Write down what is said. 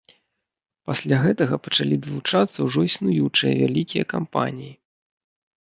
Пасля гэтага пачалі далучацца ўжо існуючыя вялікія кампаніі.